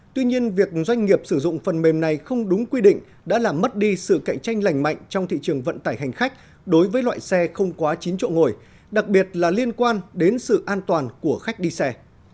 tuy nhiên việc doanh nghiệp sử dụng phần mềm này không đúng quy định đã làm mất đi sự cạnh tranh lành mạnh trong thị trường vận tải hành khách đối với loại xe không quá chín chỗ ngồi đặc biệt là liên quan đến sự an toàn của khách đi xe